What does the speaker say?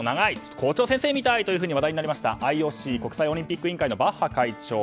校長先生みたい！と話題になりました、ＩＯＣ・国際オリンピック委員会のバッハ会長。